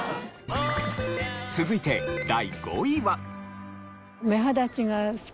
続いて第５位は。